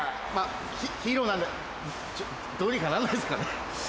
ヒーローなんでちょどうにかなんないっすかね？